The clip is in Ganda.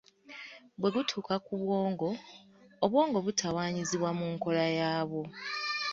Bwe gutuuka ku bwongo, obwongo butawaanyizibwa mu nkola yaabwo.